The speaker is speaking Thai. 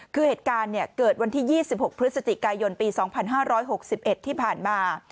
คือเหตุการณ์เกิดวันที่๒๖พฤศจิกายนปี๒๕๖๑ที่ผ่านมา